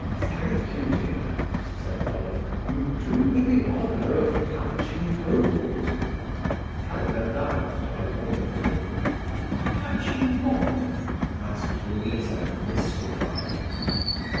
"Thank you, dear," said Olive; "you do me the honour of catching hold." Helena laughed ironically. "Catching what?" asked Louisa, mystified.